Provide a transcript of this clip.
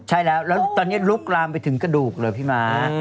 ใช่แล้วแล้วตอนนี้ลุกลามไปถึงกระดูกเลยพี่ม้า